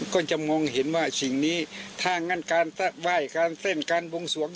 ก็จะมองเห็นว่าสิ่งนี้ถ้างั้นการไหว้การเต้นการบวงสวง